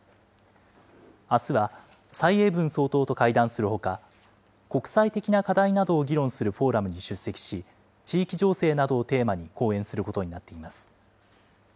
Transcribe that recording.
あすは蔡英文総統と会談するほか、国際的な課題などを議論するフォーラムに出席し、地域情勢などをテーマに講演することになっています。